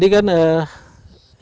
dan juga untuk memiliki lahan itu tadi